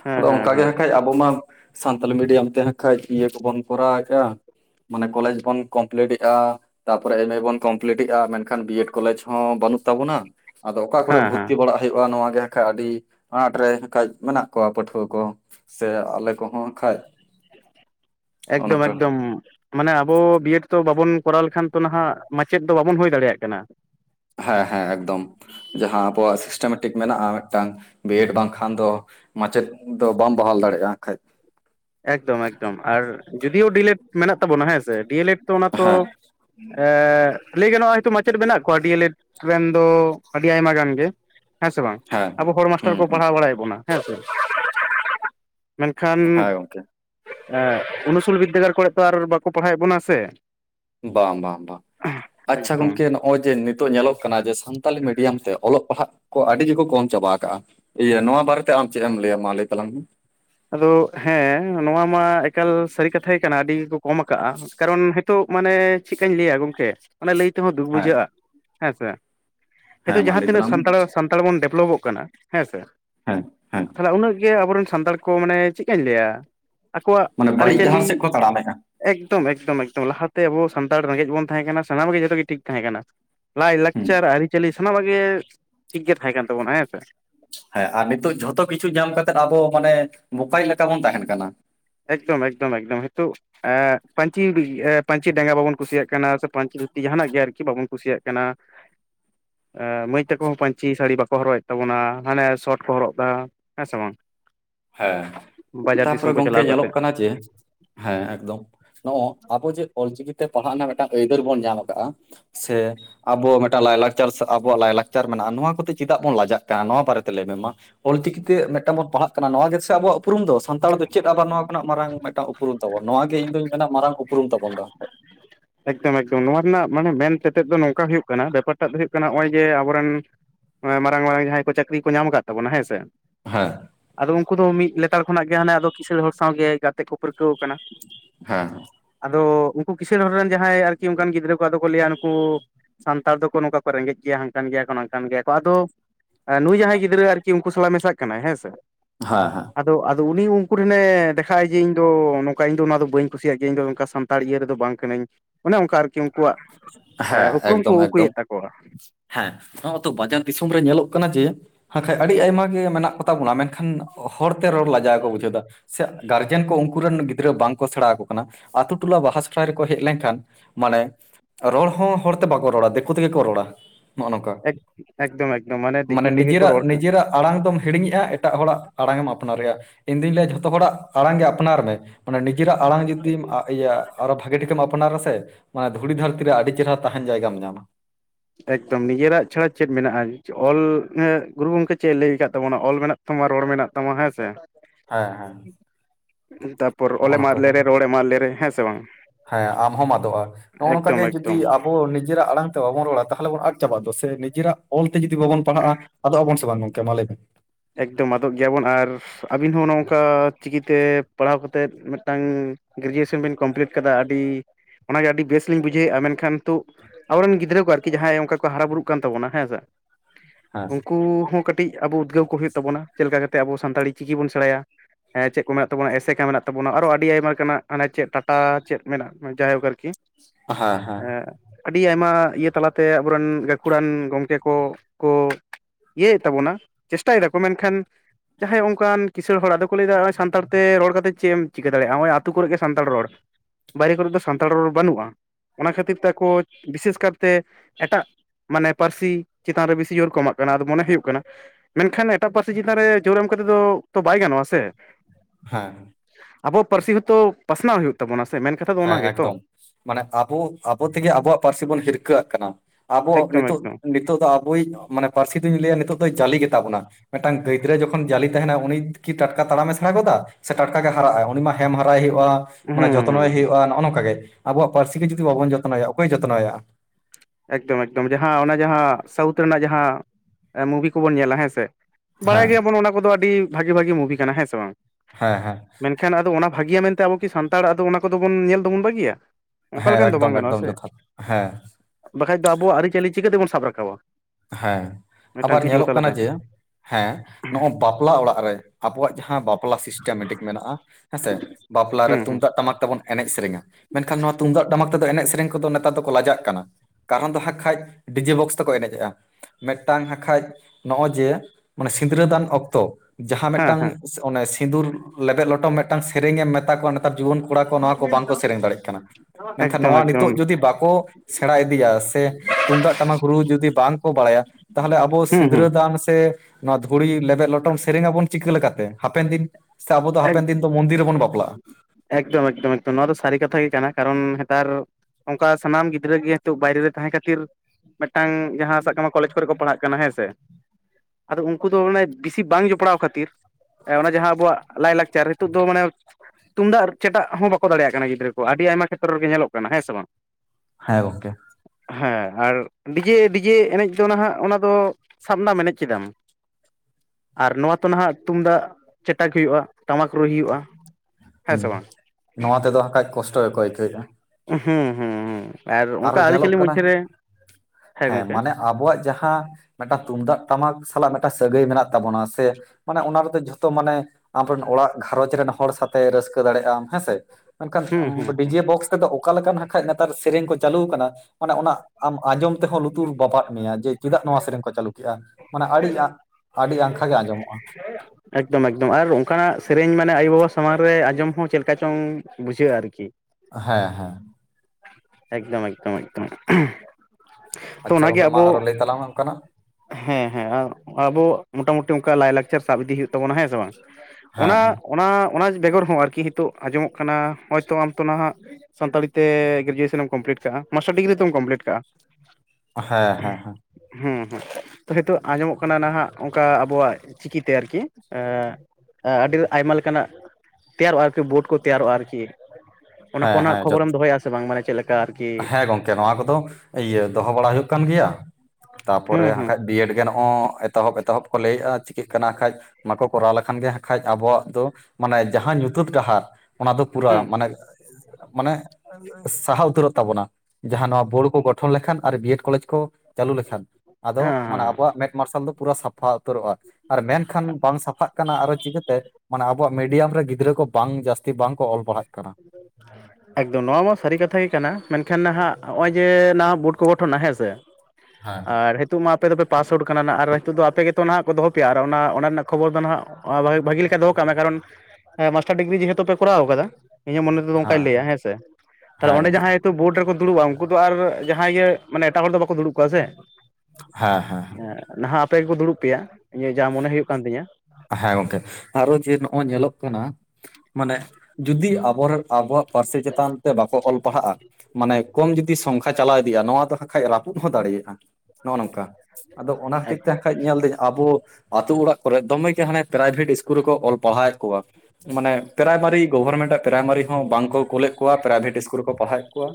ᱦᱮᱸ ᱟᱫᱚ ᱦᱮᱸ ᱚᱱᱠᱟ ᱦᱮᱸ ᱜᱮᱠᱷᱟᱡ ᱟᱵᱚ ᱢᱟ ᱥᱟᱱᱛᱟᱞᱤ ᱢᱤᱰᱤᱭᱟᱢ ᱛᱮ ᱱᱟ ᱠᱷᱟᱡ ᱤᱭᱟᱹ ᱠᱚᱵᱚᱱ ᱠᱚᱨᱟᱣᱮᱫᱼᱟ ᱢᱟᱱᱮ ᱠᱚᱞᱮᱡᱽ ᱵᱚᱱ ᱠᱚᱢᱯᱞᱤᱴ ᱮᱜᱼᱟ ᱛᱟᱯᱚᱨᱮ ᱮ ᱢᱮ ᱵᱚᱱ ᱠᱚᱢᱯᱞᱤᱴ ᱮᱜᱼᱟ ᱢᱮᱱᱠᱷᱟᱱ ᱵᱤᱭᱮᱰ ᱠᱚᱞᱮᱡᱽ ᱦᱚᱸ ᱵᱟᱹᱱᱩᱜᱼᱟ ᱛᱟᱵᱚᱱᱟ ᱟᱫᱚ ᱚᱠᱟ ᱠᱚᱨᱮ ᱦᱮᱸ ᱦᱮᱸ ᱵᱷᱚᱛᱤ ᱵᱟᱲᱟᱜ ᱦᱩᱭᱩᱜᱼᱟ ᱱᱚᱣᱟ ᱜᱮ ᱠᱷᱟᱡ ᱟᱹᱰᱤ ᱟᱱᱟᱴ ᱨᱮ ᱮᱱᱮᱠᱷᱟᱡ ᱢᱮᱱᱟᱜ ᱠᱚᱣᱟ ᱯᱟᱹᱴᱷᱩᱣᱟᱹ ᱠᱚ ᱥᱮ ᱟᱞᱮ ᱠᱚᱦᱚᱸ ᱠᱷᱟᱡ ᱱᱚᱜᱼᱚ ᱮᱠᱫᱚᱢ ᱱᱚᱝᱠᱟ ᱮᱠᱫᱚᱢ ᱢᱟᱱᱮ ᱟᱵᱚ ᱵᱤᱭᱮᱰ ᱛᱚ ᱵᱟᱵᱚᱱ ᱠᱚᱨᱟᱣ ᱞᱮᱠᱷᱟᱱ ᱛᱚ ᱱᱟᱦᱟᱸᱜ ᱢᱟᱪᱮᱫ ᱫᱚ ᱵᱟᱵᱚᱱ ᱦᱩᱭ ᱫᱟᱲᱮᱭᱟᱜ ᱠᱟᱱᱟ ᱦᱮᱸ ᱦᱮᱸ ᱮᱠᱫᱚᱢ ᱡᱟᱦᱟᱸ ᱟᱵᱚᱣᱟᱜ ᱥᱤᱥᱴᱮᱢᱮᱴᱤᱠ ᱢᱮᱱᱟᱜᱼᱟ ᱢᱤᱫᱴᱟᱝ ᱵᱤᱭᱮᱰ ᱵᱟᱝᱠᱷᱟᱱ ᱫᱚ ᱢᱟᱪᱮᱫ ᱫᱚ ᱵᱟᱢ ᱵᱟᱦᱟᱞ ᱫᱟᱲᱮᱭᱟᱜᱼᱟ ᱠᱷᱟᱡ ᱮᱠᱫᱚᱢ ᱮᱠᱫᱚᱢ ᱟᱨ ᱡᱩᱫᱤᱭᱳ ᱰᱤᱭᱮᱞᱮᱰ ᱢᱮᱱᱟᱜ ᱛᱟᱵᱚᱱᱟ ᱦᱮᱸᱥ ᱰᱤᱭᱮ ᱞᱮᱰ ᱛᱚ ᱚᱱᱟ ᱛᱚ ᱦᱮᱸ ᱞᱟᱹᱭ ᱜᱟᱱᱚᱜᱼᱟ ᱱᱤᱛᱳ ᱢᱟᱪᱮᱫ ᱢᱮᱱᱟᱜ ᱠᱚᱣᱟ ᱰᱤᱭᱮᱞᱮᱰ ᱨᱮᱱ ᱫᱚ ᱟᱹᱰᱤ ᱟᱭᱢᱟ ᱜᱟᱱ ᱜᱮ ᱦᱮᱸ ᱥᱮ ᱵᱟᱝ ᱦᱮᱸ ᱟᱵᱚ ᱦᱚᱲ ᱦᱩᱸ ᱢᱟᱥᱴᱟᱨ ᱠᱚ ᱦᱩᱸ ᱯᱟᱲᱦᱟᱣ ᱵᱟᱲᱟᱭᱜ ᱵᱚᱱᱟ ᱦᱮᱸ ᱥᱮ ᱢᱮᱱᱠᱷᱟᱱ ᱦᱮᱸ ᱜᱚᱝᱠᱮ ᱩᱱᱩᱥᱩᱞ ᱵᱤᱫ ᱫᱟᱹᱜᱟᱲ ᱠᱚᱨᱮ ᱛᱚ ᱟᱨ ᱵᱟᱠᱚ ᱯᱟᱲᱦᱟᱣᱮᱫ ᱵᱚᱱᱟ ᱥᱮ ᱵᱟᱝ ᱵᱟᱝ ᱵᱟᱝ ᱟᱪᱪᱷᱟ ᱮᱠᱫᱚᱢ ᱜᱚᱝᱠᱮ ᱱᱚᱜᱼᱚᱭ ᱡᱮ ᱱᱤᱛᱚᱜ ᱧᱮᱞᱚᱜ ᱠᱟᱱᱟ ᱡᱮ ᱥᱟᱱᱛᱟᱞᱤ ᱢᱤᱰᱤᱭᱟᱢ ᱛᱮ ᱚᱞᱚᱜ ᱯᱟᱲᱦᱟᱸᱜ ᱟᱹᱰᱤ ᱜᱮᱠᱚ ᱠᱚᱢ ᱪᱟᱵᱟ ᱟᱠᱟᱜᱼᱟ ᱤᱭᱟᱹ ᱱᱚᱣᱟ ᱵᱟᱨᱮᱛᱮ ᱟᱢ ᱪᱮᱫ ᱮᱢ ᱞᱟᱹᱭᱟᱢᱟ ᱞᱟᱹᱭ ᱛᱟᱞᱟᱝ ᱢᱮ ᱟᱫᱚ ᱦᱮᱸ ᱱᱚᱣᱟ ᱢᱟ ᱮᱠᱟᱞ ᱥᱟᱹᱨᱤ ᱠᱟᱛᱷᱟ ᱜᱮ ᱠᱟᱱᱟ ᱟᱹᱰᱤ ᱜᱮᱠᱚ ᱠᱚᱢ ᱟᱠᱟᱟᱜᱼᱟ ᱠᱟᱨᱚᱱ ᱦᱤᱛᱚᱜ ᱢᱟᱱᱮ ᱪᱮᱠᱟᱹᱧ ᱞᱟᱹᱭᱟ ᱜᱚᱝᱠᱮ ᱚᱱᱟᱮ ᱞᱟᱹᱭ ᱛᱮᱦᱚᱸ ᱫᱩᱠ ᱦᱮᱸ ᱵᱩᱡᱷᱟᱹᱜᱼᱟ ᱦᱮᱸᱥᱮ ᱦᱮᱸ ᱛᱳ ᱢᱟ ᱡᱟᱦᱟᱸ ᱞᱟᱹᱭ ᱛᱤᱱᱟᱹᱜ ᱛᱟᱞᱟᱝ ᱢᱮ ᱥᱟᱱᱛᱟᱲ ᱥᱟᱱ ᱥᱟᱱᱛᱟᱲ ᱵᱚᱱ ᱰᱮᱵᱷᱚᱞᱚᱯ ᱚᱜ ᱠᱟᱱᱟ ᱦᱮᱸᱥᱮ ᱦᱮᱸ ᱦᱮᱸ ᱛᱟᱦᱚᱞᱮ ᱩᱱᱟᱹᱜ ᱜᱮ ᱟᱵᱚᱨᱮᱱ ᱥᱟᱱᱛᱟᱲ ᱠᱚ ᱠᱚ ᱢᱟᱱᱮ ᱪᱮᱫᱠᱟᱹᱧ ᱞᱟᱹᱭᱟ ᱟᱠᱚᱣᱟᱜ ᱢᱟᱱᱮ ᱵᱟᱹᱲᱤᱡ ᱰᱟᱦᱟᱨ ᱟᱹᱨᱤᱪᱟᱹᱞᱤ ᱥᱮᱫ ᱠᱚ ᱛᱟᱲᱟᱢᱮᱜᱼᱟ ᱮᱠᱫᱚᱢ ᱮᱠᱫᱚᱢ ᱮᱠᱫᱚᱢ ᱞᱟᱦᱟᱛᱮ ᱟᱵᱚ ᱥᱟᱱᱛᱟᱲ ᱨᱮᱸᱜᱮᱡ ᱵᱚᱱ ᱛᱟᱦᱮᱸ ᱠᱟᱱᱟ ᱥᱟᱱᱟᱢ ᱜᱮ ᱡᱚᱛᱚ ᱜᱮ ᱴᱷᱤᱠ ᱛᱟᱦᱮᱸ ᱠᱟᱱᱟ ᱞᱟᱭ ᱦᱩᱸ ᱞᱟᱠᱪᱟᱨ ᱟᱹᱨᱤᱪᱟᱹᱞᱤ ᱥᱟᱱᱟᱢᱟᱜ ᱜᱮ ᱴᱷᱤᱠ ᱜᱮ ᱛᱟᱦᱮᱸ ᱠᱟᱱ ᱛᱟᱵᱚᱱᱟ ᱦᱮᱸᱥᱮ ᱦᱮᱸ ᱟᱨ ᱱᱤᱛᱚᱜ ᱡᱷᱚᱛᱚ ᱠᱤᱪᱷᱩ ᱧᱟᱢ ᱠᱟᱛᱮᱜ ᱟᱵᱚ ᱢᱟᱱᱮ ᱵᱚᱠᱟᱭᱤ ᱞᱮᱠᱟ ᱵᱚᱱ ᱛᱟᱦᱮᱱ ᱠᱟᱱᱟ ᱮᱠᱫᱚᱢ ᱮᱠᱫᱚᱢ ᱮᱠᱫᱚᱢ ᱱᱤᱛᱳ ᱯᱟᱹᱧᱪᱤ ᱯᱟᱹᱧᱪᱤ ᱰᱮᱸᱜᱟ ᱵᱟᱵᱚᱱ ᱠᱩᱥᱤᱭᱟᱜ ᱠᱟᱱᱟ ᱥᱮ ᱯᱟᱹᱧᱪᱤ ᱫᱷᱩᱛᱤ ᱡᱟᱦᱟᱸᱱᱟᱜ ᱜᱮ ᱟᱨᱠᱤ ᱵᱟᱵᱚᱱ ᱠᱩᱥᱤᱭᱟᱜ ᱠᱟᱱᱟ [inaudible] ᱢᱟᱹᱭ ᱛᱟᱠᱚ ᱦᱚᱸ ᱯᱟᱹᱧᱪᱤ ᱥᱟᱹᱲᱤ ᱵᱟᱠᱚ ᱦᱚᱨᱚᱜ ᱮᱫ ᱛᱟᱵᱚᱱᱟ ᱦᱟᱱᱮ ᱥᱚᱴ ᱠᱚ ᱦᱚᱨᱚᱜ ᱮᱫᱟ ᱦᱮᱸ ᱥᱮ ᱵᱟᱝ ᱦᱮᱸ ᱵᱟᱡᱟᱨ ᱛᱟᱯᱚᱨᱮ ᱫᱤᱥᱚᱢ ᱠᱚ ᱜᱚᱝᱠᱮ ᱪᱟᱞᱟᱣ ᱧᱮᱞᱚᱜ ᱠᱟᱛᱮᱫ ᱠᱟᱱᱟ ᱡᱮ ᱦᱮᱸ ᱮᱠᱫᱚᱢ ᱱᱚᱜᱚᱭ ᱟᱵᱚ ᱡᱮ ᱚᱞᱪᱤᱠᱤᱛᱮ ᱯᱟᱲᱦᱟᱜ ᱨᱮᱱᱟᱜ ᱢᱤᱫᱴᱟᱝ ᱟᱹᱭᱫᱟᱹᱨ ᱵᱚᱱ ᱧᱟᱢ ᱟᱠᱟᱜᱟ ᱥᱮ ᱟᱵᱚ ᱢᱤᱫᱴᱟᱝ ᱞᱟᱭᱼᱞᱟᱠᱪᱟᱨ ᱥᱮ ᱟᱵᱚᱣᱟᱜ ᱞᱟᱭᱼᱞᱟᱠᱪᱟᱨ ᱢᱮᱱᱟᱜᱼᱟ ᱱᱚᱣᱟ ᱠᱚᱛᱮ ᱪᱮᱫᱟᱜ ᱵᱚᱱ ᱞᱟᱡᱟᱜ ᱠᱟᱱᱟ ᱱᱚᱣᱟ ᱵᱟᱨᱮᱛᱮ ᱞᱟᱹᱭ ᱢᱮ ᱢᱟ ᱚᱞᱪᱤᱠᱤ ᱛᱮ ᱢᱤᱫᱴᱟᱝ ᱵᱚᱱ ᱯᱟᱲᱦᱟᱜ ᱠᱟᱱᱟ ᱱᱚᱣᱟ ᱜᱮ ᱥᱮ ᱟᱵᱚᱣᱟᱜ ᱩᱯᱨᱩᱢ ᱫᱚ ᱥᱟᱱᱛᱟᱲ ᱫᱚ ᱪᱮᱫ ᱟᱵᱟᱨ ᱱᱚᱣᱟ ᱠᱷᱚᱱ ᱟᱜ ᱢᱟᱨᱟᱝ ᱢᱤᱫᱟᱝ ᱩᱨᱩᱢ ᱛᱟᱵᱚᱱ ᱱᱚ ᱜᱮ ᱤᱧ ᱫᱩᱧ ᱢᱮᱱᱟ ᱢᱟᱨᱟᱝ ᱩᱯᱨᱩᱢ ᱩᱯᱨᱩᱢ ᱛᱟᱵᱚᱱ ᱫᱚ ᱮᱠᱫᱚᱢ ᱮᱠᱫᱚᱢ ᱱᱚᱣᱟ ᱨᱮᱱᱟᱜ ᱢᱟᱱᱮ ᱢᱮᱱ ᱥᱮᱪᱮᱛᱮᱫ ᱫᱚ ᱱᱚᱝᱠᱟ ᱦᱩᱭᱩᱜ ᱠᱟᱱᱟ ᱵᱮᱯᱟᱨ ᱴᱟᱜ ᱫᱚ ᱦᱩᱭᱩᱜ ᱠᱟᱱᱟ ᱱᱚᱜᱼᱚᱭ ᱡᱮ ᱟᱵᱚᱨᱮᱱ ᱢᱟᱨᱟᱝ ᱢᱟᱨᱟᱝ ᱡᱟᱦᱟᱸᱭ ᱠᱚ ᱪᱟᱠᱨᱤ ᱠᱚ ᱧᱟᱢ ᱟᱠᱟᱫ ᱛᱟᱵᱚᱱᱟ ᱦᱮᱸᱥᱮ ᱦᱮᱸ ᱟᱫᱚ ᱩᱱᱠᱩ ᱫᱚ ᱢᱤᱫ ᱞᱮᱛᱟᱲ ᱠᱷᱚᱱᱟᱜ ᱜᱮ ᱦᱟᱱᱮ ᱟᱫᱚ ᱠᱤᱥᱟᱹᱬ ᱦᱚᱲ ᱥᱟᱶᱜᱮ ᱜᱟᱛᱮ ᱠᱚ ᱯᱟᱹᱨᱠᱟᱹᱣ ᱟᱠᱟᱱᱟ ᱦᱮᱸ ᱟᱫᱚ ᱩᱱᱠᱩ ᱠᱤᱥᱟᱹᱬ ᱦᱚᱲ ᱨᱮᱱ ᱡᱟᱦᱟᱸᱭ ᱟᱨᱠᱤ ᱚᱱᱠᱟᱱ ᱜᱤᱫᱽᱨᱟᱹ ᱠᱚ ᱟᱫᱚ ᱠᱚ ᱞᱟᱹᱭᱟ ᱱᱩᱠᱩ ᱥᱟᱱ ᱱᱮᱛᱟᱨ ᱫᱚᱠᱚ ᱱᱚᱝᱠᱟ ᱠᱚ ᱨᱮᱸᱜᱮᱡ ᱜᱮᱭᱟ ᱦᱟᱱᱠᱟᱱ ᱜᱮᱭᱟ ᱠᱚ ᱱᱚᱝᱠᱟᱱ ᱜᱮᱭᱟ ᱠᱚ ᱟᱫᱚ ᱟᱨ ᱱᱩᱭ ᱡᱟᱦᱟᱸᱭ ᱜᱤᱫᱽᱨᱟᱹ ᱟᱨᱠᱤ ᱩᱱᱠᱩ ᱥᱟᱞᱟᱜ ᱢᱮᱥᱟᱜ ᱠᱟᱱᱟᱭ ᱦᱮᱸᱥᱮ ᱦᱟᱸ ᱦᱟᱜ ᱟᱫᱚ ᱟᱫᱚ ᱩᱱᱤ ᱩᱱᱠᱩᱴᱷᱮᱱᱮ ᱫᱮᱠᱷᱟᱜᱟᱭ ᱡᱮ ᱤᱧ ᱫᱚ ᱱᱚᱝᱠᱟ ᱤᱧᱫᱚ ᱚᱱᱟ ᱫᱚ ᱵᱟᱹᱧ ᱠᱩᱥᱤᱭᱟᱜ ᱜᱮᱭᱟ ᱤᱧ ᱫᱚ ᱱᱚᱝᱠᱟ ᱥᱟᱱᱼᱼ ᱛᱟᱲᱤᱭᱟᱹ ᱨᱮᱫᱚ ᱵᱟᱝ ᱠᱟᱹᱱᱟᱹᱧ ᱚᱱᱮ ᱚᱱᱠᱟ ᱟᱨᱠᱤ ᱩᱱᱠᱩᱣᱟᱜ ᱦᱮᱸ ᱩᱯᱨᱩᱢ ᱠᱚ ᱮᱠᱫᱚᱢ ᱮᱠᱫᱚᱢ ᱩᱠᱩᱭᱮᱫ ᱛᱟᱠᱚᱣᱟ᱾ ᱦᱮᱸ ᱱᱚᱼᱚᱛᱳᱜ ᱵᱟᱡᱟᱨ ᱫᱤᱥᱚᱢ ᱨᱮ ᱧᱮᱞᱚᱜ ᱠᱟᱱᱟ ᱡᱮ ᱦᱟᱠᱷᱟᱡ ᱟᱹᱰᱤ ᱟᱭᱢᱟ ᱜᱮ ᱢᱮᱱᱟᱜ ᱠᱚᱛᱟ ᱵᱚᱱᱟ ᱢᱮᱱᱠᱷᱟᱱ ᱦᱚᱲᱛᱮ ᱨᱚᱲ ᱞᱟᱡᱜᱟ ᱠᱚ ᱵᱩᱡᱷᱟᱹᱣ ᱮᱫᱟ᱾ ᱥᱮ ᱜᱟᱨᱡᱮᱱ ᱠᱚ ᱩᱱᱠᱩ ᱨᱮᱱ ᱜᱤᱫᱽᱨᱟᱹ ᱵᱟᱝᱠᱚ ᱥᱮᱬᱟ ᱟᱠᱚ ᱠᱟᱱᱟ ᱟᱛᱳ ᱴᱚᱞᱟ ᱵᱟᱦᱟ ᱥᱚᱦᱨᱟᱭ ᱨᱮᱠᱚ ᱦᱮᱡ ᱞᱮᱱᱠᱷᱟᱱ ᱢᱟᱱᱮ ᱨᱚᱲ ᱦᱚᱸ ᱦᱚᱲ ᱛᱮ ᱵᱟᱠᱚ ᱨᱚᱲᱟ ᱫᱤᱠᱩ ᱛᱮᱜᱮ ᱠᱚ ᱨᱚᱲᱟ ᱱᱚᱜᱼᱚ ᱱᱚᱝᱠᱟ ᱮᱠ ᱮᱠᱫᱚᱢ ᱮᱠᱫᱚᱢ ᱢᱟᱱᱮ ᱫᱤᱠᱩ ᱛᱮᱜᱮ ᱠᱚ ᱱᱤᱡᱮᱨᱟᱜ ᱨᱚᱲ ᱱᱤᱡᱮᱨᱟᱜ ᱟᱲᱟᱝ ᱫᱚᱢ ᱦᱤᱲᱤᱧᱮᱜᱼᱟ ᱮᱴᱟᱜ ᱦᱚᱲᱟᱜ ᱟᱲᱟᱝᱮᱢ ᱟᱯᱱᱟᱨᱮᱼᱟ ᱤᱧᱫᱩᱧ ᱞᱟᱹᱭᱟ ᱡᱷᱚᱛᱚ ᱦᱚᱲᱟᱜ ᱟᱲᱟᱝ ᱜᱮ ᱟᱯᱱᱟᱨ ᱢᱮ᱾ ᱢᱟᱱᱮ ᱱᱤᱡᱮᱨᱟᱜ ᱟᱲᱟᱝ ᱡᱩᱫᱤ ᱤᱭᱟᱹ ᱟᱨᱚ ᱵᱷᱟᱜᱤ ᱴᱷᱤᱠᱮᱢ ᱟᱯᱱᱟᱨᱥᱮ ᱱᱳᱣᱟ ᱫᱷᱩᱲᱤ ᱫᱷᱟᱹᱨᱛᱤ ᱨᱮ ᱟᱹᱰᱤ ᱪᱮᱦᱨᱟ ᱛᱟᱦᱮᱱ ᱡᱟᱭᱜᱟᱢ ᱧᱟᱢᱟ ᱮᱠᱫᱚᱢ ᱱᱤᱡᱮᱨᱟᱜ ᱪᱷᱟᱲᱟ ᱪᱮᱫ ᱢᱮᱱᱟᱜᱼᱟ ᱚᱞ ᱜᱩᱨᱩ ᱜᱚᱢᱠᱮ ᱪᱮᱫ ᱮ ᱞᱟᱹᱭ ᱠᱟᱫ ᱛᱟᱵᱚᱱᱟ ᱚᱞ ᱢᱮᱱᱟᱜ ᱛᱚᱢᱟ ᱨᱚᱲ ᱢᱮᱱᱟᱜ ᱛᱟᱢᱟ ᱦᱮᱸ ᱥᱮ ᱦᱮᱸ ᱦᱮᱸ ᱛᱟᱯᱚᱨ ᱱᱚᱜᱼᱚ ᱚᱞᱮᱢ ᱱᱚᱝᱠᱟ ᱟᱫ ᱜᱮ ᱞᱮᱨᱮ ᱨᱚᱲᱮ ᱮᱢ ᱟᱫ ᱞᱮᱨᱮ ᱦᱮᱸ ᱥᱮ ᱵᱟᱝ ᱦᱮᱸ ᱟᱢ ᱦᱚᱸᱢ ᱟᱫᱚᱜᱼᱟ ᱱᱚᱜᱼᱚ ᱱᱚᱝᱠᱟ ᱮᱠᱫᱚᱢ ᱜᱮ ᱡᱩᱫᱤ ᱮᱠᱫᱚᱢ ᱟᱵᱚ ᱱᱤᱡᱮᱨᱟᱜ ᱟᱲᱟᱝ ᱛᱚ ᱵᱟᱵᱚᱱ ᱨᱚᱲᱟ ᱛᱟᱦᱚᱞᱮ ᱵᱚᱱ ᱟᱫ ᱪᱟᱵᱟᱜᱼᱟ ᱫᱚ ᱥᱮ ᱱᱤᱡᱮᱨᱟᱜ ᱚᱞᱛᱮ ᱡᱩᱫᱤ ᱵᱟᱵᱚᱱ ᱯᱟᱲᱦᱟᱜᱼᱟ ᱟᱫᱚ ᱟᱵᱚᱱ ᱥᱮ ᱵᱟᱝ ᱜᱚᱝᱠᱮ ᱢᱟ ᱞᱟᱹᱭᱵᱤᱱ? ᱮᱠᱫᱚᱢ ᱟᱫᱚᱜ ᱜᱮᱭᱟᱵᱚᱱ ᱟᱨ ᱟᱹᱵᱤᱱ ᱦᱚᱸ ᱚᱱᱚ ᱚᱱᱠᱟ ᱪᱤᱠᱤᱛᱮ ᱯᱟᱲᱦᱟᱣ ᱠᱟᱛᱮᱫ ᱢᱤᱫᱴᱟᱝ ᱜᱨᱮᱡᱩᱭᱮᱥᱮᱱ ᱵᱤᱱ ᱠᱚᱢᱯᱤᱞᱤᱴ ᱠᱟᱫᱟ ᱟᱹᱰᱤ ᱚᱱᱟᱜᱮ ᱟᱹᱰᱤ ᱵᱮᱥ ᱞᱤᱧ ᱵᱩᱡᱷᱟᱹᱣᱮᱫᱼᱟ ᱢᱮᱱᱠᱷᱟᱱ ᱱᱮᱛᱳᱜ ᱟᱵᱚᱨᱮᱱ ᱜᱤᱫᱽᱨᱟᱹ ᱟᱨᱠᱤ ᱡᱟᱦᱟᱸᱭ ᱚᱝᱠᱟ ᱠᱚ ᱦᱟᱨᱩ ᱵᱩᱨᱩᱜ ᱠᱟᱱᱟ ᱛᱟᱵᱚᱱᱟ ᱦᱮᱸ ᱥᱮ ᱦᱮᱸ ᱩᱱᱠᱩ ᱦᱚᱸ ᱠᱟᱹᱴᱤᱡ ᱟᱵᱚ ᱩᱫᱽᱜᱟᱹᱣ ᱠᱚ ᱦᱩᱭᱩᱜ ᱛᱟᱵᱚᱱᱟ ᱪᱮᱫᱞᱮᱠᱟ ᱠᱟᱛᱮ ᱟᱵᱚ ᱥᱟᱱᱛᱟᱲᱤ ᱪᱤᱠᱤ ᱵᱚᱱ ᱥᱮᱬᱟᱭᱟ ᱮᱸ ᱪᱮᱫ ᱠᱚ ᱢᱮᱱᱟᱜ ᱛᱟᱵᱚᱱᱟ ᱮᱥᱮᱠᱟ ᱢᱮᱱᱟᱜ ᱛᱟᱵᱚᱱᱟ ᱟᱨᱚ ᱟᱹᱰᱤ ᱟᱭᱢᱟ ᱞᱮᱠᱟᱱᱟᱜ ᱦᱟᱱᱮ ᱪᱮᱫ ᱴᱟᱴᱟ ᱪᱮᱫ ᱢᱮᱱᱟᱜᱼᱟ ᱡᱟᱭᱦᱳᱠ ᱟᱨᱠᱤ ᱦᱮᱸ ᱦᱮᱸ ᱮᱜ ᱟᱹᱰᱤ ᱟᱭᱢᱟ ᱤᱭᱟᱹ ᱛᱟᱞᱟᱛᱮ ᱟᱵᱚᱨᱮᱱ ᱜᱟᱹᱠᱷᱩᱲᱟᱱ ᱜᱚᱢᱠᱮ ᱠᱚ ᱠᱚ ᱤᱭᱟᱹᱭᱮᱫ ᱛᱟᱵᱚᱱᱟ ᱪᱮᱥᱴᱟᱭ ᱫᱟᱠᱚ ᱢᱮᱱᱠᱷᱟᱱ ᱡᱟᱦᱟᱸᱭ ᱚᱱᱠᱟᱱ ᱠᱤᱥᱟᱹᱬ ᱦᱚᱲ ᱟᱫᱚ ᱠᱚ ᱞᱟᱹᱭ ᱮᱫᱟ ᱱᱚᱜᱼᱚᱭ ᱥᱟᱱᱛᱟᱲᱛᱮ ᱨᱚᱲ ᱠᱟᱛᱮᱫ ᱪᱮᱫ ᱮᱢ ᱪᱤᱠᱟᱹ ᱫᱟᱲᱮᱭᱟᱜᱼᱟ ᱱᱚᱜᱼᱚᱭ ᱟᱛᱳ ᱠᱚᱨᱮᱜ ᱜᱮ ᱥᱟᱱᱛᱟᱲ ᱨᱚᱲ ᱵᱟᱭᱨᱮ ᱠᱚᱨᱮ ᱫᱚ ᱥᱟᱱᱛᱟᱲ ᱨᱚᱲ ᱵᱟᱹᱱᱩᱜᱼᱟ ᱚᱱᱟ ᱠᱷᱟᱹᱛᱤᱨ ᱛᱮ ᱟᱠᱚ ᱵᱤᱥᱮᱥ ᱠᱟᱨᱛᱮ ᱮᱴᱟᱜ ᱢᱟᱱᱮ ᱯᱟᱹᱨᱥᱤ ᱪᱮᱛᱟᱱ ᱨᱮ ᱵᱤᱥᱤ ᱡᱳᱨ ᱠᱚᱢᱟᱜ ᱠᱟᱱᱟ ᱟᱫᱚ ᱢᱚᱱᱮ ᱦᱩᱭᱩᱜ ᱠᱟᱱᱟ ᱢᱮᱱᱠᱷᱟᱱ ᱮᱴᱟᱜ ᱯᱟᱹᱨᱥᱤ ᱪᱤᱛᱟᱱ ᱨᱮ ᱡᱳᱨ ᱮᱢ ᱠᱟᱛᱮ ᱫᱚ ᱛᱚ ᱵᱟᱭ ᱜᱟᱱᱚᱜᱼᱟ ᱥᱮ ᱦᱟ ᱟᱵᱚᱣᱟᱜ ᱯᱟᱹᱨᱥᱤ ᱦᱚᱸᱛᱚ ᱯᱟᱥᱱᱟᱣ ᱦᱩᱭᱩᱜ ᱛᱟᱵᱚᱱᱟ ᱥᱮ ᱢᱮᱱ ᱠᱟᱛᱷᱟ ᱫᱚ ᱦᱮᱸ ᱚᱱᱟ ᱜᱮᱛᱚ ᱮᱠᱫᱚᱢ ᱢᱟᱱᱮ ᱟᱵᱚ ᱟᱵᱚ ᱛᱮᱜᱮ ᱟᱵᱚᱣᱟᱜ ᱯᱟᱹᱨᱥᱤ ᱵᱚᱱ ᱦᱤᱨᱠᱟᱹᱣᱟᱜ ᱠᱟᱱᱟ, ᱟᱵᱚ ᱮᱠᱫᱚᱢ ᱱᱤᱛᱚᱜ ᱮᱠᱫᱚᱢ ᱱᱤᱛᱚᱜ ᱫᱚ ᱟᱵᱚᱭᱤᱡ ᱢᱟᱱᱮ ᱯᱟᱹᱨᱥᱤ ᱫᱩᱧ ᱞᱟᱹᱭᱟ ᱱᱤᱛᱚᱜ ᱫᱚ ᱡᱟᱞᱤ ᱜᱮ ᱛᱟ ᱵᱚᱱᱟ ᱢᱤᱫᱴᱟᱝ ᱜᱤᱫᱽᱨᱟᱹ ᱡᱚᱠᱷᱚᱱ ᱡᱟᱞᱤ ᱛᱟᱦᱮᱱᱟ ᱩᱱᱤ ᱠᱤ ᱴᱟᱴᱠᱟ ᱛᱟᱲᱟᱢᱮ ᱥᱮᱬᱟ ᱜᱚᱫᱟ ᱥᱮ ᱴᱟᱴᱠᱟᱜ ᱜᱮ ᱦᱟᱨᱟᱜᱼᱟᱭ ᱩᱱᱤ ᱢᱟ ᱦᱮᱢ ᱦᱟᱨᱟᱭ ᱦᱩᱭᱩᱜᱼᱟ ᱢᱟᱱᱮ ᱦᱩᱸ ᱡᱚᱛ ᱡᱚᱛᱚᱱᱚᱭ ᱦᱩᱸ ᱦᱩᱭᱩᱜᱼᱟ ᱱᱚᱜᱼᱚ ᱱᱚᱝᱠᱟ ᱜᱮ, ᱟᱵᱣᱟᱜ ᱯᱟᱹᱨᱥᱤ ᱜᱮ ᱡᱩᱫᱤ ᱵᱟᱵᱚᱱ ᱡᱚᱛᱚᱱᱱᱚᱭᱟ ᱚᱠᱚᱭᱮ ᱡᱚᱛᱱᱚᱭᱟ? ᱮᱠᱫᱚᱢ ᱮᱠᱫᱚᱢ ᱡᱟᱦᱟᱸ ᱚᱱᱟ ᱡᱟᱦᱟᱸ ᱥᱟᱣᱩᱛᱷ ᱨᱮᱱᱟᱜ ᱡᱟᱦᱟᱸ ᱢᱩᱵᱷᱤ ᱠᱚᱵᱚᱱ ᱧᱮᱞᱟ ᱦᱮᱸ ᱥᱮ ᱵᱟᱲᱟᱭ ᱦᱮᱸ ᱜᱮᱭᱟᱵᱚᱱ ᱚᱱᱟ ᱠᱚᱫᱚ ᱟᱹᱰᱤ ᱵᱷᱟᱹᱜᱤ ᱵᱷᱟᱜᱤ ᱢᱩᱵᱷᱤ ᱠᱟᱱᱟ ᱦᱮᱸ ᱥᱮ ᱵᱟᱝ ᱦᱮᱸ ᱦᱮᱸ ᱢᱮᱱᱠᱷᱟᱱ ᱟᱫᱚ ᱚᱱᱟ ᱵᱷᱟᱹᱜᱮᱤᱭᱟ ᱢᱮᱱᱛᱮ ᱟᱵᱚ ᱠᱤ ᱥᱟᱱᱛᱟᱲ ᱟᱫᱚ ᱚᱱᱟ ᱠᱚᱫᱚᱵᱚᱱ ᱧᱮᱞ ᱫᱚᱵᱚᱱ ᱵᱟᱹᱜᱤᱭᱟ ᱚᱱᱠᱟ ᱦᱮᱸ ᱞᱮᱠᱟᱱ ᱫᱚ ᱵᱟᱝ ᱮᱠᱫᱚᱢ ᱜᱟᱱᱚᱜᱼᱟ ᱮᱠᱫᱚᱢ ᱥᱮ ᱡᱚᱛᱷᱟᱛ ᱦᱮᱸ ᱵᱟᱠᱷᱟᱡ ᱫᱚ ᱟᱵᱚᱣᱟᱜ ᱟᱹᱨᱤᱪᱟᱹᱞᱤ ᱪᱤᱠᱟᱹᱛᱮᱵᱚᱱ ᱥᱟᱵ ᱨᱟᱠᱟᱵᱟ ᱦᱮ, ᱢᱤᱫᱴᱟᱝ ᱟᱵᱟᱨ ᱵᱷᱤᱰᱭᱳ ᱧᱮᱞᱚᱜ ᱠᱟᱱᱟ ᱛᱟᱞᱟᱛᱮ ᱡᱮ ᱦᱮᱸ ᱱᱚᱼᱜᱚᱭ ᱵᱟᱯᱞᱟ ᱚᱲᱟᱜ ᱨᱮ ᱟᱵᱚᱣᱟᱜ ᱡᱟᱦᱟᱸ ᱵᱟᱯᱞᱟ [unintelligible] ᱞᱟ ᱥᱤᱥᱴᱮᱢᱮᱴᱤᱠ ᱢᱮᱱᱟᱜᱼᱟ ᱦᱮᱸᱥᱮ ᱵᱟᱯᱞᱟᱨ ᱨᱮ ᱦᱩᱸ ᱦᱩᱸ ᱛᱩᱢᱫᱟᱜ ᱴᱟᱢᱟᱠ ᱛᱮᱵᱚᱱ ᱮᱱᱮᱡ ᱥᱮᱨᱮᱧᱟ ᱢᱮᱱᱠᱷᱟᱱ ᱱᱚᱣᱟ ᱛᱩᱢᱫᱟᱜ ᱴᱟᱢᱟᱠ ᱛᱮ ᱫᱚ ᱮᱱᱮᱡ ᱥᱮᱨᱮᱧ ᱠᱚᱫᱚ ᱱᱮᱛᱟᱨ ᱫᱚᱠᱚ ᱞᱟᱡᱟᱜ ᱠᱟᱱᱟ, ᱠᱟᱨᱚᱱ ᱫᱚ ᱦᱟᱸᱜ ᱠᱷᱟᱡ ᱰᱤᱡᱮ ᱵᱚᱠᱥ ᱛᱮᱠᱚ ᱮᱱᱮᱡᱼᱮᱟ᱾ ᱢᱤᱫᱴᱟᱝ ᱦᱟᱸᱠᱷᱟᱡ ᱱᱚᱜᱼᱚᱭ ᱡᱮ ᱢᱟᱱᱮ ᱥᱤᱸᱫᱽᱨᱟᱹᱫᱟᱱ ᱚᱠᱛᱚ ᱡᱟᱦᱟᱸ ᱦᱮᱸ ᱢᱤᱫᱴᱟᱝ ᱦᱮᱸ ᱚᱱᱮ ᱥᱤᱸᱫᱩᱨ ᱞᱮᱵᱮᱫ ᱞᱚᱴᱚᱢ ᱢᱤᱫᱴᱟᱝ ᱥᱮᱨᱮᱧᱮ ᱮᱢ ᱢᱮᱛᱟ ᱠᱚᱣᱟ ᱱᱮᱛᱟᱨ ᱡᱩᱣᱟᱹᱱ ᱠᱚ ᱠᱚᱲᱟ ᱠᱚ ᱱᱚᱣᱟ ᱠᱚ ᱵᱟᱝᱠᱚ ᱥᱮᱨᱮᱧ ᱫᱟᱲᱮᱜ ᱠᱟᱱᱟ ᱢᱮᱱᱠᱷᱟᱱ ᱮᱠᱫᱚᱢ ᱱᱚᱣᱟ ᱮᱠᱫᱚᱢ ᱱᱤᱛᱚᱜ ᱡᱩᱫᱤ ᱵᱟᱠᱚ ᱥᱮᱬᱟ ᱤᱫᱤᱭᱟ ᱥᱮ ᱛᱩᱢᱫᱟᱜ ᱴᱟᱢᱟᱠ ᱨᱩ ᱡᱩᱫᱤ ᱵᱟᱝ ᱵᱟᱲᱟᱭᱟ ᱛᱟᱦᱚᱞᱮ ᱟᱵᱚ ᱦᱩᱸ ᱦᱩᱸ ᱥᱤᱸᱫᱽᱨᱟᱹ ᱫᱚ ᱪᱮᱛᱟᱱ ᱥᱮ ᱱᱚᱣᱟ ᱫᱷᱩᱲᱤ ᱞᱮᱵᱮᱫ ᱞᱚᱴᱚᱢ ᱥᱮᱨᱮᱧ ᱟᱵᱚᱱ ᱪᱤᱠᱟᱹ ᱞᱮᱠᱟᱛᱮ ᱦᱟᱯᱮᱱ ᱫᱤᱱ ᱥᱮ ᱟᱵᱚ ᱫᱚ ᱮᱠ ᱦᱟᱯᱮᱱ ᱫᱤᱱ ᱫᱚ ᱢᱚᱱᱫᱤᱨ ᱨᱮᱵᱚᱱ ᱵᱟᱯᱞᱟᱜᱼᱟ ᱮᱠᱫᱚᱢ ᱮᱠᱫᱚᱢ ᱮᱠᱫᱚᱢ ᱱᱚᱣᱟ ᱫᱚ ᱥᱟᱹᱨᱤ ᱠᱟᱛᱷᱟ ᱜᱮ ᱠᱟᱱᱟ ᱠᱟᱨᱚᱱ ᱱᱮᱛᱟᱨ ᱚᱱᱠᱟ ᱥᱟᱱᱟᱢ ᱜᱤᱫᱽᱨᱟᱹ ᱜᱮ ᱱᱤᱛᱚᱜ ᱵᱟᱭᱨᱮ ᱨᱮ ᱛᱟᱦᱮᱸ ᱠᱷᱟᱹᱛᱤᱨ ᱢᱤᱫ ᱴᱟᱝ ᱡᱟᱦᱟᱸ ᱥᱟᱵᱠᱟᱢ ᱠᱚᱞᱮᱡᱽ ᱠᱚᱨᱮ ᱠᱚ ᱯᱟᱲᱦᱟᱜ ᱠᱟᱱᱟ ᱦᱮᱸ ᱥᱮ ᱟᱫᱚ ᱩᱱᱠᱩ ᱫᱚ ᱟᱱᱮ ᱵᱤᱥᱤ ᱵᱟᱝ ᱡᱚᱯᱲᱟᱣ ᱠᱷᱟᱹᱛᱤᱨ ᱚᱱᱟ ᱡᱟᱦᱟᱸ ᱟᱵᱚᱣᱟᱜ ᱞᱟᱭ ᱞᱟᱠᱪᱟᱨ ᱱᱤᱛᱚᱜ ᱫᱚ ᱢᱟᱱᱮ ᱛᱩᱢᱫᱟᱜ ᱪᱮᱴᱟᱜ ᱦᱚᱸ ᱵᱟᱠᱚ ᱫᱟᱲᱮᱭᱟᱜ ᱠᱟᱱᱟ ᱜᱤᱫᱽᱨᱟᱹ ᱠᱚ ᱟᱹᱰᱤ ᱟᱭᱢᱟ ᱠᱷᱮᱛᱨᱚ ᱨᱮᱜᱮ ᱧᱮᱞᱚᱜ ᱠᱟᱱᱟ ᱦᱮᱸ ᱥᱮ ᱵᱟᱝ ᱦᱮᱸ ᱠᱚᱝᱠᱮ ᱦᱮᱸ ᱟᱨ ᱰᱤᱡᱮ ᱰᱤᱡᱮ ᱮᱱᱮᱡ ᱫᱚ ᱱᱟᱦᱟᱜ ᱚᱱᱟ ᱫᱚ ᱥᱟᱵᱱᱟᱢ ᱱᱟᱮᱢ ᱮᱱᱮᱡ ᱠᱮᱫᱟᱢ ᱟᱨ ᱱᱚᱣᱟ ᱛᱚ ᱱᱟᱦᱟᱜ ᱛᱩᱢᱫᱟᱜ ᱪᱮᱴᱟᱜ ᱦᱩᱭᱩᱜᱼᱟ ᱴᱟᱢᱟᱠ ᱨᱩᱭ ᱦᱩᱭᱩᱜᱼᱟ᱾ ᱦᱮᱸ ᱦᱩᱸ ᱥᱮ ᱵᱟᱝ ᱱᱚᱣᱟ ᱛᱮᱫᱚ ᱦᱟᱠᱟᱡ ᱠᱚᱥᱴᱚ ᱜᱮᱠᱚ ᱟᱹᱭᱠᱟᱹᱣ ᱮᱜᱼᱟ ᱦᱩᱸ ᱦᱩᱸ ᱦᱩᱸ ᱟᱨ ᱚᱱᱠᱟ ᱟᱹᱨᱤ ᱧᱮᱞᱚᱜ ᱪᱟᱹᱞᱤ ᱠᱟᱱᱟ ᱢᱚᱫᱽᱫᱷᱮ ᱨᱮ ᱦᱮᱸ ᱜᱚᱝᱠᱮ ᱟᱵᱚᱣᱟᱜ ᱡᱟᱦᱟᱸ ᱢᱤᱫ ᱴᱟᱝ ᱛᱩᱢᱫᱟᱜ ᱴᱟᱢᱟᱠ ᱥᱟᱞᱟᱜ ᱢᱤᱫ ᱴᱟᱝ ᱥᱟᱹᱜᱟᱹᱭ ᱢᱮᱱᱟᱜ ᱛᱟᱵᱚᱱᱟ ᱥᱮ ᱢᱟᱱᱮ ᱚᱱᱟ ᱨᱚᱫᱚ ᱡᱷᱚᱛᱚ ᱢᱟᱱᱮ ᱟᱢ ᱨᱮᱱ ᱚᱲᱟᱜ ᱜᱷᱟᱨᱚᱡᱽ ᱨᱮᱱ ᱦᱚᱲ ᱥᱟᱛᱮ ᱨᱟᱹᱥᱠᱟᱹ ᱫᱟᱲᱮᱭᱟᱜ ᱟᱢ ᱦᱮᱸᱥᱮ ᱢᱮᱱ ᱠᱷᱟᱱ ᱦᱩᱸ ᱦᱩᱸ ᱦᱩᱸ ᱰᱤᱡᱮ ᱵᱚᱠᱥ ᱛᱮᱫᱚ ᱚᱠᱟ ᱞᱮᱠᱟᱱ ᱱᱟᱠᱷᱟᱡ ᱱᱮᱛᱟᱨ ᱥᱮᱨᱮᱧ ᱠᱚ ᱪᱟᱹᱞᱩ ᱟᱠᱟᱱᱟ ᱚᱱᱮ ᱚᱱᱟ ᱟᱢ ᱟᱸᱡᱚᱢ ᱛᱮᱦᱚᱸ ᱞᱩᱛᱩᱨ ᱵᱟᱵᱟᱫ ᱢᱮᱭᱟ ᱡᱮ ᱪᱮᱫᱟᱜ ᱱᱚᱣᱟ ᱥᱮᱨᱮᱧ ᱠᱚ ᱪᱟᱹᱞᱩ ᱠᱮᱼᱟ᱾ ᱚᱱᱟ ᱟᱹᱰᱤ ᱟᱱ ᱟᱹᱰᱤ ᱟᱸᱠᱷᱟ ᱜᱮ ᱟᱸᱡᱚᱢᱚᱜᱼᱟ ᱮᱠᱫᱚᱢ ᱮᱠᱫᱚᱢ ᱟᱨ ᱚᱱᱠᱟᱱᱟᱜ ᱥᱮᱨᱮᱧ ᱢᱟᱱᱮ ᱟᱭᱳ ᱵᱟᱵᱟ ᱥᱟᱢᱟᱝ ᱨᱮ ᱟᱸᱡᱚᱢ ᱦᱚᱸ ᱪᱮᱫ ᱞᱮᱠᱟ ᱪᱚᱝ ᱵᱩᱡᱷᱟᱹᱜᱼᱟ ᱟᱨᱠᱤ ᱦᱮᱸ ᱦᱮᱸ ᱮᱠᱫᱚᱢ ᱮᱠᱫᱚᱢ ᱮᱠᱫᱚᱢ ᱛᱚ ᱟᱪᱪᱷᱟ ᱚᱱᱟᱜᱮ ᱜᱚᱝᱠᱮ ᱢᱟ ᱟᱵᱚ ᱟᱨᱚ ᱞᱟᱹᱭ ᱛᱟᱞᱟᱝ ᱢᱮ ᱚᱱᱠᱟᱱᱟᱜ ᱦᱮᱸ ᱦᱮᱸ ᱟᱵᱚ ᱢᱚᱴᱟᱢᱩᱴᱤ ᱚᱱᱠᱟ ᱞᱟᱭᱼᱞᱟᱠᱪᱟᱨ ᱥᱟᱵ ᱤᱫᱤ ᱦᱩᱭᱩᱜ ᱛᱟᱵᱚᱱᱟ ᱦᱮᱸ ᱥᱮ ᱵᱟᱝ ᱦᱮᱸ ᱚᱱᱟ ᱦᱮᱸ ᱚᱱᱟ ᱚᱱᱟ ᱵᱮᱜᱚᱨ ᱦᱚᱸ ᱟᱨᱠᱤ ᱱᱤᱛᱚᱜ ᱟᱸᱡᱚᱢᱚᱜ ᱠᱟᱱᱟ ᱦᱚᱭᱛᱳ ᱟᱢ ᱛᱚ ᱱᱟᱦᱟᱜ ᱥᱟᱱᱛᱟᱲᱤ ᱛᱮ ᱜᱨᱮᱡᱩᱭᱮᱥᱚᱱ ᱮᱢ ᱠᱚᱢᱯᱞᱤᱴ ᱠᱟᱜᱼᱟ, ᱢᱟᱥᱴᱟᱨ ᱰᱤᱜᱽᱨᱤ ᱦᱚᱛᱚᱢ ᱠᱚᱢᱯᱞᱤᱴ ᱠᱟᱜᱼᱟ? ᱦᱮᱸ ᱦᱮᱸ ᱦᱮᱸ ᱦᱩᱸ ᱦᱩᱸ ᱛᱚ ᱱᱤᱛᱚᱜ ᱟᱸᱡᱚᱢᱚᱜ ᱠᱟᱱᱟ ᱱᱟᱦᱟᱜ ᱚᱱᱠᱟ ᱟᱵᱚᱣᱟᱜ ᱪᱤᱠᱤ ᱛᱮ ᱟᱨᱠᱤ ᱮ ᱟᱹᱰᱤ ᱟᱭᱢᱟ ᱞᱮᱠᱟᱱᱟᱜ ᱛᱮᱭᱟᱨᱚᱜᱼᱟ ᱟᱨᱠᱤ ᱵᱳᱨᱰ ᱠᱚ ᱛᱮᱭᱟᱨᱚᱜᱼᱟ ᱟᱨᱠᱤ ᱚᱱᱟ ᱠᱚ ᱦᱮᱸ ᱨᱮᱱᱟᱜ ᱦᱮᱸ ᱡᱚᱛᱚ ᱠᱷᱚᱵᱚᱨᱮᱢ ᱫᱚᱦᱚᱭᱟ ᱥᱮ ᱵᱟᱝ? ᱢᱟᱱᱮ ᱪᱮᱫ ᱞᱮᱠᱟ ᱟᱨᱠᱤ ᱦᱮᱸ ᱜᱚᱝᱠᱮ ᱱᱚᱣᱟ ᱠᱚᱫᱚ ᱤᱭᱟᱹ ᱫᱚᱦᱚ ᱵᱟᱲᱟ ᱦᱩᱭᱩᱜ ᱠᱟᱱ ᱜᱮᱭᱟ᱾ ᱛᱟᱯᱚᱨᱮ ᱦᱮᱸ ᱦᱮᱸ ᱦᱟᱠᱷᱟᱡ ᱵᱤᱭᱮᱰ ᱜᱮ ᱱᱚᱜ ᱚᱸ ᱮᱛᱚᱦᱚᱵ ᱮᱛᱚᱦᱚᱵ ᱠᱚ ᱞᱟᱹᱭᱮᱫᱼᱟ ᱪᱤᱠᱟᱹᱜ ᱠᱟᱱᱟᱠᱟᱡ ᱚᱱᱟ ᱠᱚ ᱠᱚᱨᱟᱣ ᱞᱮᱠᱷᱟᱱ ᱜᱮ ᱠᱷᱟᱡ ᱟᱵᱚᱣᱟᱜ ᱫᱚ ᱢᱟᱱᱮ ᱡᱟᱦᱟᱸ ᱧᱩᱛᱟᱹᱛ ᱰᱟᱦᱟᱨ ᱚᱱᱟ ᱫᱚ ᱯᱩᱨᱟᱹᱜᱼᱟ ᱦᱮᱸ ᱢᱟᱱᱮ ᱢᱟᱱᱮ ᱥᱟᱦᱟ ᱩᱛᱟᱹᱨᱚᱜ ᱛᱟᱵᱚᱱᱟ ᱡᱟᱦᱟᱸ ᱱᱚᱣᱟ ᱵᱳᱲ ᱠᱚ ᱜᱚᱴᱷᱚᱱ ᱞᱮᱠᱷᱟᱱ ᱟᱨ ᱵᱤᱭᱮᱰ ᱠᱚᱞᱮᱡᱽ ᱠᱚ ᱪᱟᱹᱞᱩ ᱞᱮᱠᱷᱟᱱ ᱟᱫᱚ ᱦᱮᱸ ᱢᱟᱱᱮ ᱦᱮᱸ ᱟᱵᱚᱣᱟᱜ ᱢᱮᱫ ᱢᱟᱨᱥᱟᱞ ᱫᱚ ᱯᱩᱨᱟᱹ ᱥᱟᱯᱷᱟ ᱩᱛᱟᱹᱨᱚᱜᱼᱟ ᱟᱨ ᱢᱮᱱ ᱠᱷᱟᱱ ᱵᱟᱝ ᱥᱟᱯᱷᱟᱜ ᱠᱟᱱᱟ ᱟᱨᱚ ᱪᱤᱠᱟᱹ ᱛᱮ ᱢᱟᱱᱮ ᱟᱵᱚᱣᱟᱜ ᱢᱤᱰᱤᱭᱟᱢ ᱨᱮ ᱜᱤᱫᱽᱨᱟᱹ ᱠᱚ ᱵᱟᱝ ᱡᱟᱹᱥᱛᱤ ᱵᱟᱝ ᱠᱚ ᱚᱞ ᱯᱟᱲᱦᱟᱜ ᱠᱟᱱᱟ ᱮᱠᱫᱚᱢ ᱱᱚᱣᱟ ᱢᱟ ᱥᱟᱹᱨᱤ ᱠᱟᱛᱷᱟ ᱜᱮ ᱠᱟᱱᱟ ᱢᱮᱱᱠᱷᱟᱱ ᱱᱟᱦᱟᱜ ᱱᱚᱸᱜᱼᱚᱭ ᱡᱮ ᱱᱚᱣᱟ ᱵᱳᱴ ᱠᱚ ᱜᱚᱴᱷᱚᱱᱟ ᱦᱮᱸᱥᱮ ᱦᱮᱸ ᱟᱨ ᱱᱤᱛᱚᱜ ᱟᱯᱮ ᱫᱚᱯᱮ ᱯᱟᱥ ᱟᱣᱩᱰ ᱠᱟᱱᱟ ᱱᱟᱜ ᱟᱨ ᱱᱤᱛᱚᱜ ᱫᱚ ᱟᱯᱮ ᱜᱮᱛᱚ ᱱᱟᱦᱟᱜ ᱠᱚ ᱫᱚᱦᱚ ᱯᱮᱭᱟ ᱟᱨ ᱚᱱᱟ ᱨᱮᱱᱟᱜ ᱠᱷᱚᱵᱚᱨ ᱫᱚ ᱱᱟᱦᱟᱜ ᱵᱷᱟᱹᱜᱤ ᱞᱮᱠᱟ ᱫᱚᱦᱚ ᱠᱟᱜ ᱢᱮ ᱠᱟᱨᱚᱱ ᱢᱟᱥᱴᱟᱨ ᱰᱤᱜᱽᱨᱤ ᱡᱮᱦᱮᱛᱩ ᱯᱮ ᱠᱚᱨᱟᱣ ᱟᱠᱟᱫᱟ᱾ ᱤᱧᱟᱹᱜ ᱢᱚᱱᱮ ᱛᱮᱫᱚ ᱚᱱᱠᱟᱭ ᱦᱮᱸ ᱞᱟᱹᱭᱟ ᱦᱮᱸ ᱦᱮᱸᱥᱮ ᱛᱟᱦᱞᱮ ᱦᱮᱸ ᱚᱸᱰᱮ ᱜᱚᱝᱠᱮ ᱡᱟᱦᱟᱸᱭ ᱵᱳᱰ ᱨᱮᱠᱚ ᱫᱩᱲᱩᱵᱼᱟ ᱩᱱᱠᱩ ᱫᱚ ᱟᱨ ᱡᱟᱦᱟᱸᱭ ᱜᱮ ᱢᱟᱱᱮ ᱮᱴᱟᱜ ᱦᱚᱲ ᱫᱚ ᱵᱟᱠᱚ ᱫᱩᱲᱩᱵ ᱠᱚ ᱥᱮ ᱦᱮᱸ ᱦᱮᱸ ᱱᱟᱦᱟᱜ ᱟᱯᱮ ᱜᱮᱠᱚ ᱫᱩᱲᱩᱵ ᱯᱮᱭᱟ ᱤᱧᱟᱹᱜ ᱡᱟ ᱢᱚᱱᱮ ᱦᱩᱭᱩᱜ ᱠᱟᱱ ᱛᱤᱧᱟ ᱦᱮᱸ ᱜᱚᱝᱠᱮ, ᱟᱨᱚ ᱡᱮ ᱱᱚᱜᱼᱚᱭ ᱧᱮᱞᱚᱜ ᱠᱟᱱᱟ ᱢᱟᱱᱮ ᱡᱩᱫᱤ ᱟᱵᱚᱨᱮᱱ ᱟᱵᱚᱣᱟᱜ ᱯᱟᱹᱨᱥᱤ ᱪᱮᱛᱟᱱ ᱛᱮ ᱵᱟᱠᱚ ᱚᱞ ᱯᱟᱲᱦᱟᱜᱼᱟ, ᱢᱟᱱᱮ ᱠᱚᱢ ᱡᱩᱫᱤ ᱥᱚᱝᱠᱷᱟ ᱪᱟᱞᱟᱣ ᱤᱫᱤᱜᱼᱟ ᱱᱚᱣᱟ ᱫᱚ ᱦᱟᱜ ᱠᱷᱟᱡ ᱨᱟᱹᱯᱩᱫ ᱦᱚᱸ ᱫᱟᱲᱮᱭᱟᱜᱼᱟ ᱱᱚᱼᱚ ᱱᱚᱝᱠᱟ ᱱᱚᱝᱠᱟ᱾ ᱟᱫᱚ ᱚᱱᱟ ᱦᱮᱸ ᱠᱷᱟᱹᱛᱤᱨ ᱛᱮ ᱦᱟᱸᱜᱠᱷᱟᱡ ᱧᱮᱞ ᱫᱟᱹᱧ ᱟᱵᱚ ᱟᱛᱳ ᱚᱲᱟᱜ ᱠᱚᱨᱮ ᱫᱚᱢᱮ ᱜᱮ ᱦᱟᱱᱮ ᱯᱨᱟᱭᱵᱷᱮᱴ ᱤᱥᱠᱩᱞ ᱨᱮᱠᱚ ᱚᱞ ᱯᱟᱲᱦᱟᱣᱮᱫ ᱠᱚᱣᱟ ᱢᱟᱱᱮ ᱯᱨᱟᱭᱢᱟᱨᱤ ᱜᱚᱵᱷᱚᱨᱢᱮᱱᱴᱜ ᱯᱨᱟᱭᱢᱟᱨᱤ ᱦᱚᱸ ᱵᱟᱝᱠᱚ ᱠᱞᱮᱫ ᱠᱚᱣᱟ, ᱯᱨᱟᱭᱵᱷᱮᱴ ᱥᱠᱩᱞ ᱨᱮᱠᱚ ᱯᱟᱲᱦᱟᱣᱮᱫ ᱠᱚᱣᱟ᱾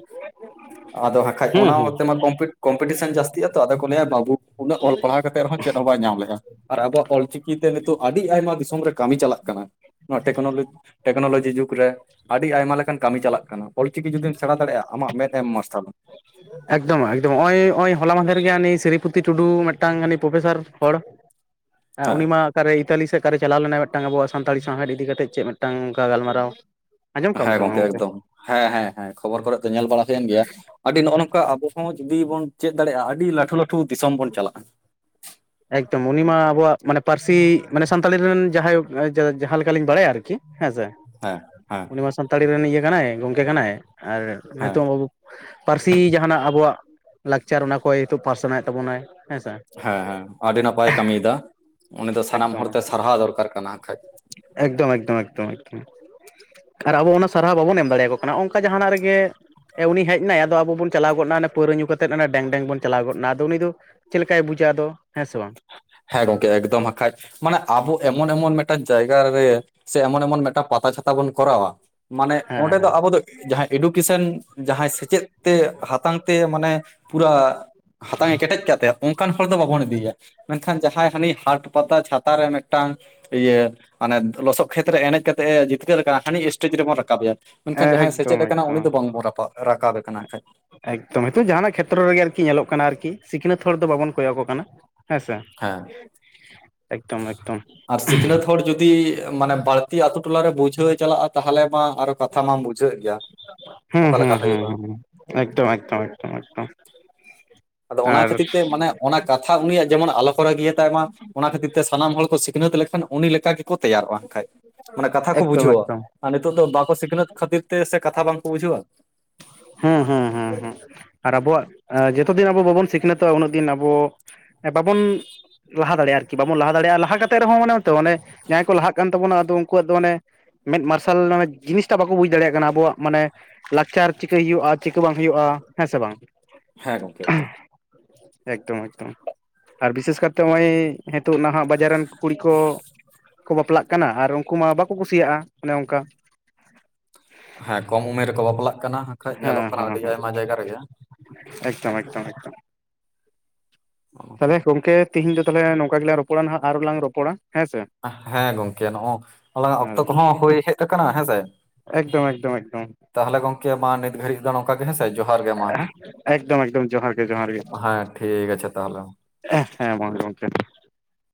ᱟᱫᱚ ᱦᱟᱸᱠᱷᱟᱡ ᱚᱱᱟ ᱦᱮᱸ ᱚᱛᱮᱢᱟ ᱠᱚᱢᱯᱞᱤᱴ ᱠᱚᱢᱯᱤᱴᱤᱥᱮᱱ ᱡᱥᱛᱤᱜᱼᱟ ᱛᱚ, ᱟᱫᱚ ᱠᱚ ᱞᱟᱹᱭᱟ ᱵᱟᱹᱵᱩ ᱩᱱᱟᱹᱜ ᱚᱞ ᱯᱟᱲᱦᱟᱣ ᱠᱟᱛᱮᱫ ᱨᱮᱦᱚᱸ ᱪᱮᱫ ᱦᱚᱸ ᱵᱟᱭ ᱧᱟᱢ ᱞᱮᱜᱼᱟ᱾ ᱟᱨ ᱟᱵᱚᱣᱟᱜ ᱚᱞᱪᱤᱠᱤᱛᱮ ᱱᱤᱛᱚᱜ ᱟᱹᱰᱤ ᱟᱭᱢᱟ ᱫᱤᱥᱚᱢ ᱨᱮ ᱠᱟᱹᱢᱤ ᱪᱟᱞᱟᱜ ᱠᱟᱱᱟ, ᱱᱚᱣᱟ ᱴᱮᱠᱱᱳᱞᱚ ᱞᱚᱡᱤ ᱴᱮᱠᱱᱳᱞᱳᱡᱤ ᱡᱩᱜᱽ ᱨᱮ ᱟᱹᱰᱤ ᱟᱭᱢᱟ ᱞᱮᱠᱟᱱ ᱠᱟᱹᱢᱤ ᱪᱟᱞᱟᱜ ᱠᱟᱱᱟ ᱚᱞ ᱪᱤᱠᱤ ᱡᱩᱚᱫᱫᱤᱢ ᱥᱮᱬᱟ ᱫᱟᱲᱮᱭᱟᱜᱼᱟ, ᱟᱢᱟᱜ ᱢᱮᱫ ᱮᱢ ᱢᱟᱨᱥᱟᱞᱟ᱾ ᱮᱠᱫᱚᱢ ᱮᱠᱫᱚᱢ ᱱᱚᱜ-ᱚᱭ, ᱱᱚᱜ-ᱚᱭ ᱦᱚᱞᱟ ᱢᱟᱦᱫᱮᱨ ᱜᱮᱭᱟ ᱥᱤᱨᱨᱤᱯᱚᱛᱤ ᱴᱩᱰᱩ, ᱢᱤᱫᱴᱟᱝᱤ ᱯᱨᱚᱯᱷᱮᱥᱟᱨ ᱦᱚᱲ [inaudible] ᱟᱨ ᱦᱮᱸ ᱩᱱᱤ ᱢᱟ ᱚᱠᱟᱨᱮ ᱤᱛᱟᱞᱤ ᱥᱮᱫ ᱚᱠᱮ ᱪᱟᱞᱟᱣ ᱞᱮᱱᱟ ᱢᱤᱫᱴᱟᱝ ᱟᱵᱚᱣᱟᱜ ᱥᱟᱱᱛᱟᱲ ᱥᱟᱶᱦᱮᱫ ᱤᱫᱤ ᱠᱟᱛᱮᱫ ᱪᱮᱫ ᱢᱤᱫᱴᱟᱝ ᱚᱱᱠᱟ ᱜᱟᱞᱢᱟᱨᱟᱣ ᱟᱸᱡᱚᱢ ᱠᱟᱜ ᱟᱢ ᱦᱮᱸ ᱥᱮ ᱵᱟᱝ ᱜᱚᱝᱠᱮ ᱮᱠᱫᱚᱢ, ᱦᱮᱸ ᱦᱮᱸ ᱦᱮᱸ ᱠᱷᱚᱵᱚᱨ ᱠᱚᱨᱮ ᱫᱚ ᱧᱮᱞ ᱵᱟᱲᱟ ᱦᱩᱭᱮᱱ ᱜᱮᱭᱟ, ᱟᱹᱰᱤ ᱱᱚᱜᱼᱚ ᱱᱚᱝᱠᱟ ᱟᱵᱚ ᱦᱚᱸ ᱡᱩᱫᱤ ᱵᱚᱱ ᱪᱮᱫ ᱫᱟᱲᱮᱭᱟᱜᱼᱟ ᱟᱹᱰᱤ ᱞᱟᱹᱴᱷᱩ ᱞᱟᱹᱴᱷᱩ ᱫᱤᱥᱚᱢ ᱵᱚᱱ ᱪᱟᱞᱟᱜᱼᱟ᱾ ᱮᱠᱫᱚᱢ ᱩᱱᱤ ᱢᱟ ᱟᱵᱚᱣᱟᱜ ᱢᱟᱱᱮ ᱯᱟᱹᱨᱥᱤ, ᱢᱟᱱᱮ ᱥᱟᱱᱛᱟᱲᱤ ᱨᱮᱱ ᱡᱟᱦᱟᱸᱭ ᱡᱟᱦᱟᱸ ᱞᱮᱠᱟᱞᱤᱧ ᱵᱟᱲᱟᱭᱟ ᱟᱨᱠᱤ, ᱦᱮᱸ ᱥᱮ ᱦᱮᱸ ᱦᱮᱸ ᱩᱱᱤ ᱢᱟ ᱥᱟᱱᱛᱟᱲᱤ ᱨᱮᱱ ᱤᱭᱟᱹ ᱠᱟᱱᱟᱭ ᱜᱚᱝᱠᱮ ᱠᱟᱱᱟᱭ ᱟᱨ ᱦᱮᱸ ᱱᱤᱛᱚᱜ ᱯᱟᱹᱨᱥᱤ ᱡᱟᱦᱟᱱᱟᱜ ᱟᱵᱚᱣᱟᱜ ᱞᱟᱠᱪᱟᱨ ᱚᱱᱟ ᱠᱚ ᱱᱤᱛᱳᱜ ᱯᱟᱥᱱᱟᱣᱮᱫ ᱛᱟᱵᱚᱱᱟᱭ ᱦᱮᱸᱥᱮ ᱦᱮᱸ ᱟᱹᱰᱤ ᱱᱟᱯᱟᱭ ᱠᱟᱹᱢᱤᱭᱫᱟ, ᱩᱱᱤ ᱫᱚ ᱥᱟᱱᱟᱢ ᱮᱠᱫᱚᱢ ᱦᱚᱲᱛᱮ ᱥᱟᱨᱦᱟᱣ ᱫᱚᱨᱠᱟᱨ ᱠᱟᱱᱟ ᱠᱷᱟᱡ᱾ ᱮᱠᱫᱚᱢ ᱮᱠᱫᱚᱢ ᱮᱠᱫᱚᱢ ᱮᱠᱫᱚᱢ ᱟᱨ ᱟᱵᱚ ᱚᱱᱟ ᱥᱟᱨᱦᱟᱣ ᱵᱟᱵᱚᱱ ᱮᱢ ᱫᱟᱲᱮᱠᱚ ᱠᱟᱱᱟ, ᱚᱱᱠᱟ ᱡᱟᱦᱟᱱᱟᱜ ᱨᱮᱜᱮ ᱩᱱᱤ ᱦᱮᱡ ᱮᱱᱟᱭ ᱟᱫᱚ ᱟᱵᱚᱚᱱ ᱪᱟᱞᱟᱣ ᱜᱚᱫᱱᱟ ᱚᱱᱟ ᱯᱟᱣᱨᱟᱹ ᱧᱩ ᱠᱟᱛᱮᱫ ᱚᱱᱟᱮ ᱰᱮᱝ-ᱰᱮᱝ ᱵᱚᱱ ᱪᱟᱞᱟ ᱜᱚᱫᱱᱟ᱾ ᱟᱫᱚ ᱩᱱᱤ ᱫᱚ ᱪᱮᱫ ᱞᱮᱠᱟᱭ ᱵᱩᱡᱟ ᱟᱫᱚ ᱦᱮᱸ ᱥᱮ ᱵᱟᱝ? ᱦᱮᱸ ᱜᱚᱝᱠᱮ ᱮᱠᱫᱚᱢ ᱦᱟᱠᱷᱟᱡ, ᱢᱟᱱᱮ ᱟᱵᱚ ᱮᱢᱚᱱ ᱮᱢᱚᱱ ᱢᱮᱫ ᱢᱮᱫᱴᱟᱝ ᱡᱟᱭᱜᱟ ᱨᱮ ᱥᱮ ᱮᱢᱚᱱ ᱮᱢᱚᱱ ᱢᱤᱫᱴᱟᱝ ᱯᱟᱛᱟ ᱪᱷᱟᱛᱟ ᱵᱚᱱ ᱠᱚᱨᱟᱣᱟ, ᱢᱟᱱᱮ ᱦᱮᱸ ᱚᱸᱰᱮ ᱫᱚ ᱦᱮᱸ ᱟᱵᱚ ᱫᱚ ᱡᱟᱦᱟᱸ ᱮᱰᱩᱠᱮᱥᱚᱱ ᱡᱟᱦᱟᱸᱭ ᱥᱮᱪᱮᱫ ᱛᱮ ᱦᱟᱛᱟᱝ ᱛᱮ ᱢᱟᱱᱮ ᱯᱩᱨᱟ ᱦᱟᱛᱟᱝ ᱮ ᱠᱮᱴᱮᱡ ᱠᱟᱜ ᱛᱟᱭᱟ ᱚᱱᱠᱟᱱ ᱦᱚᱲ ᱫᱚ ᱵᱟᱵᱚᱱ ᱤᱫᱮᱭᱟ᱾ ᱢᱮᱱᱠᱷᱟᱱ ᱡᱟᱦᱟᱸᱭ ᱦᱟᱹᱱᱤ ᱦᱟᱴ ᱯᱟᱛᱟ ᱪᱷᱟᱛᱟ ᱨᱮ ᱢᱤᱫᱴᱟᱝ ᱤᱭᱟᱹ ᱢᱟᱱᱮ ᱞᱚᱥᱚᱫ ᱠᱷᱮᱛᱨᱮ ᱮᱱᱮᱡ ᱠᱟᱛᱮᱜ ᱡᱤᱛᱠᱟᱹᱨ ᱠᱟᱱᱟ ᱦᱟᱹᱱᱤ ᱮᱥᱴᱮᱡ ᱨᱮᱵᱚᱱ ᱨᱟᱠᱟᱵᱮᱭᱟ᱾ ᱢᱮᱱᱠᱷᱟᱱ ᱡᱟᱦᱟᱸᱭ ᱮᱠᱫᱚᱢ ᱥᱮᱪᱮᱫ ᱟᱠᱟᱱᱟ ᱮᱠᱫᱚᱢ ᱩᱱᱤ ᱫᱚ ᱵᱟᱝᱵᱚᱱ ᱨᱟᱵ ᱨᱟᱠᱟᱵᱮ ᱠᱟᱱᱟ ᱮᱠᱷᱟᱡ᱾ ᱮᱠᱫᱚᱢ ᱦᱤᱛᱳᱜ ᱡᱟᱸᱦᱟᱱᱟᱜ ᱠᱷᱮᱛᱨᱚ ᱨᱮᱜᱮ ᱟᱨᱠᱤ ᱧᱮᱞᱚᱜ ᱠᱟᱱᱟ ᱟᱨᱠᱤ ᱥᱤᱠᱷᱱᱟᱹᱛ ᱦᱚᱲ ᱫᱚ ᱵᱟᱵᱚᱱ ᱠᱚᱭᱚᱜᱠᱚ ᱠᱟᱱᱟ ᱦᱮᱸ ᱥᱮ᱾ ᱦᱮᱸ ᱮᱠᱫᱚᱢ ᱮᱠᱫᱚᱢ᱾ ᱟᱨ ᱥᱤᱠᱷᱱᱟᱹᱛ ᱦᱚᱲ ᱡᱩᱫᱤ ᱢᱟᱱᱮ ᱵᱟᱹᱲᱛᱤ ᱟᱛᱳ ᱴᱚᱞᱟ ᱨᱮ ᱵᱩᱡᱷᱟᱹᱣ ᱪᱟᱞᱟᱜᱼᱟ ᱛᱟᱦᱚᱞᱮ ᱢᱟ ᱟᱨᱚ ᱠᱟᱛ ᱠᱟᱛᱷᱟ ᱢᱟᱢ ᱵᱩᱡᱷᱟᱹᱣ ᱜᱮᱭᱟ ᱦᱩᱸ ᱚᱠᱟ ᱦᱩᱸ ᱞᱮᱠᱟ ᱦᱩᱸ ᱦᱩᱭᱩᱜᱼᱟ᱾ ᱦᱩᱸ ᱮᱠᱫᱚᱢ ᱮᱠᱫᱚᱢ ᱮᱠᱫᱚᱢ ᱮᱠᱫᱚᱢ᱾ ᱟᱫᱚ ᱚᱱᱟ ᱟᱨ ᱠᱷᱟᱹᱛᱤᱨ ᱛᱮ ᱢᱟᱱᱮ ᱚᱱᱟ ᱠᱟ ᱠᱟᱛᱷᱟ ᱩᱱᱤᱭᱟᱜ ᱡᱮᱢᱚᱱ ᱟᱞᱚ ᱠᱚᱨᱮ ᱤᱭᱟᱹ ᱛᱟᱭ ᱢᱟ, ᱚᱱᱟ ᱠᱷᱟᱹᱛᱤᱨ ᱛᱮ ᱥᱟᱱᱟᱢ ᱦᱚᱲ ᱠᱚ ᱥᱤᱠᱷᱱᱟᱹᱛ ᱞᱮᱠᱷᱟᱱ ᱩᱱᱤ ᱞᱮᱠᱟ ᱜᱮᱠᱚ ᱛᱮᱭᱟᱨᱚᱜᱼᱟ ᱮᱠᱷᱟᱡ, ᱢᱟᱱᱮ ᱠᱟᱛᱷᱟ ᱠᱚ ᱮᱠᱫᱚᱢ ᱵᱩᱡᱷᱟᱹᱣᱟ᱾ ᱮᱠᱫᱚᱢ ᱟᱨ ᱱᱤᱛᱚᱜ ᱫᱚ ᱵᱟᱠᱚ ᱥᱤᱠᱷᱱᱟᱹᱛ ᱠᱷᱟᱹᱛᱤᱨ ᱛᱮ ᱥᱮ ᱠᱟᱛᱷᱟ ᱵᱟᱝᱠᱚ ᱵᱩᱡᱷᱟᱹᱣᱟ? ᱦᱩᱸ ᱦᱩᱸ ᱦᱩᱸ ᱟᱨ ᱟᱵᱚᱣᱟᱜ ᱡᱚᱛᱚ ᱫᱤᱱ ᱟᱵᱚ ᱵᱟᱵᱚᱱ ᱥᱤᱠᱷᱱᱟᱹᱛᱚᱜᱼᱟ, ᱩᱱᱟᱹᱜ ᱫᱤᱱ ᱟᱵᱚ ᱵᱟᱵᱚᱱ ᱞᱟᱦᱟ ᱫᱟᱲᱮᱭᱟᱜᱼᱟ ᱟᱨᱠᱤ ᱵᱟᱵᱚᱱ ᱞᱟᱦᱟ ᱫᱟᱲᱮᱭᱟᱜᱼᱟ ᱞᱟᱦᱟ ᱠᱟᱛᱮᱫ ᱨᱮᱦᱚᱸ ᱢᱟᱱᱮᱚ ᱚᱱᱮ ᱡᱟᱦᱟᱸᱭ ᱠᱚ ᱞᱟᱦᱟᱜ ᱠᱟᱱ ᱛᱟᱵᱚᱱᱟ ᱟᱫᱚ ᱩᱱᱠᱩᱣᱟᱜ ᱫᱚ ᱢᱟᱱᱮ ᱢᱮᱫ ᱢᱟᱨᱥᱟᱞᱟᱱ ᱡᱤᱱᱤᱥᱴᱟ ᱵᱟᱠᱚ ᱵᱩᱡ ᱫᱟᱲᱮᱭᱟᱜ ᱠᱟᱱᱟ ᱟᱵᱚᱣᱟᱜ ᱢᱟᱱᱮ ᱞᱟᱠᱪᱟᱨ ᱪᱤᱠᱟᱭ ᱦᱩᱭᱩᱜᱼᱟ ᱪᱤᱠᱟ ᱵᱟᱝ ᱦᱩᱭᱩᱜᱼᱟ, ᱦᱮᱸ ᱥᱮ ᱵᱟᱝ? ᱦᱮᱸ ᱜᱚᱝᱠᱮ ᱮᱠᱫᱚᱢ᱾ ᱮᱠᱫᱚᱢ ᱮᱠᱫᱚᱢ, ᱟᱨ ᱵᱤᱥᱮᱥ ᱠᱟᱨᱛᱮ ᱱᱚᱜᱼᱚᱭ ᱱᱤᱛᱳ ᱱᱟᱦᱟᱜ ᱵᱟᱡᱟᱨ ᱨᱮᱱ ᱠᱩᱲᱤ ᱠᱚ, ᱠᱚ ᱵᱟᱯᱞᱟᱜ ᱠᱟᱱᱟ ᱟᱨ ᱩᱱᱠᱩ ᱢᱟ ᱵᱟᱠᱚ ᱠᱩᱥᱤᱭᱟᱜᱼᱟ ᱚᱱᱮ ᱚᱱᱠᱟ᱾ ᱦᱮᱸ ᱠᱚᱢ ᱩᱢᱮᱨ ᱨᱮᱠᱚ ᱵᱟᱯᱞᱟᱜ ᱠᱟᱱᱟ ᱦᱠᱷᱟᱡ ᱧᱮᱞᱚᱜ ᱦᱮᱸ ᱠᱟᱱᱟ ᱦᱮᱸ ᱟᱹᱰᱤ ᱦᱮᱸ ᱟᱭᱢᱟ ᱡᱟᱭᱜᱟ ᱨᱮᱜᱮ᱾ ᱮᱠᱫᱚᱢ ᱮᱠᱫᱚᱢ ᱮᱠᱫᱚᱢ, ᱱᱚᱜᱼᱚᱝᱠᱟ᱾ ᱛᱟᱦᱚᱞᱮ ᱜᱚᱢᱠᱮ ᱛᱤᱦᱤᱧ ᱫᱚ ᱛᱟᱦᱚᱞ ᱱᱚᱝᱠᱟ ᱜᱮᱞᱟᱝ ᱨᱚᱯᱚᱲᱟ ᱱᱟᱦᱟᱜ, ᱟᱨᱚᱞᱟᱝ ᱨᱚᱯᱚᱲᱟ ᱦᱮᱸ ᱥᱮ᱾ ᱦᱮᱸ ᱜᱚᱝᱠᱮ ᱱᱚᱣᱟ ᱟᱞᱟᱝ-ᱟᱜ ᱟᱨ ᱚᱠᱛᱚ ᱠᱚᱦᱚᱸ ᱦᱩᱭ ᱦᱮᱡ ᱟᱠᱟᱱᱟ ᱦᱮᱸᱥᱮ᱾ ᱮᱠᱫᱚᱢ ᱮᱠᱫᱚᱢ ᱮᱠᱫᱚᱢ᱾ ᱛᱟᱦᱚᱞᱮ ᱜᱚᱝᱠᱮ ᱢᱟ ᱱᱤᱛ ᱜᱷᱟᱹᱲᱤᱡ ᱫᱚ ᱱᱚᱝᱠᱟ ᱜᱮ ᱦᱮᱸ ᱥᱮ, ᱡᱚᱦᱟᱨ ᱜᱮ ᱢᱟ ᱦᱮᱸ ᱮᱠᱫᱚᱢ ᱮᱠᱫᱚᱢ ᱡᱚᱦᱟᱨ ᱜᱮ ᱡᱚᱦᱟᱨ ᱜᱮ ᱦᱮᱸ᱾ ᱴᱷᱤᱠ ᱟᱪᱷᱮ ᱛᱟᱦᱚᱞᱮ [unintelligible] ᱦᱮᱸ ᱜᱚᱝᱠᱮ